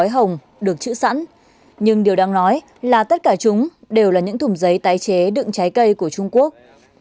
các quả hồng được chữ sẵn nhưng điều đang nói là tất cả chúng đều là những thùng giấy tái chế đựng trái cây của trung quốc